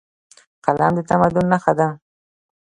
قلم د تمدن نښه ده.